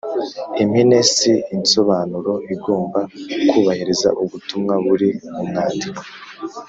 impine si insobanuro igomba kubahiriza ubutumwa buri mu mwandiko